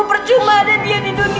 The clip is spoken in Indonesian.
percuma anak ini idup